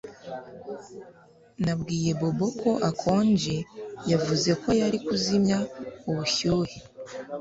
Nabwiye Bobo ko ukonje Yavuze ko yari kuzimya ubushyuhe